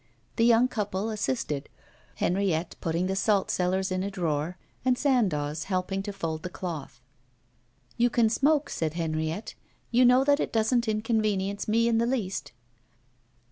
The young couple assisted, Henriette putting the salt cellars in a drawer, and Sandoz helping to fold the cloth. 'You can smoke,' said Henriette. 'You know that it doesn't inconvenience me in the least.